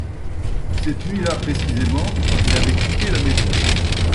Cette nuit-là précisément il avait quitté la maison.